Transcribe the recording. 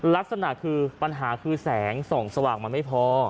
ลักษณะคือปัญหาคือแสงส่องสว่างมันไม่พอ